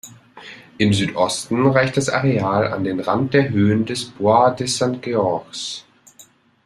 Im Südosten reicht das Areal an den Rand der Höhen des "Bois de Saint-Georges".